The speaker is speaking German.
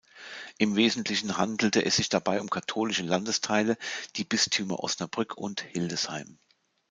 Im Wesentlichen handelte es sich dabei um katholische Landesteile, die Bistümer Osnabrück und Hildesheim.